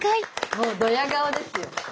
もうドヤ顔ですよ。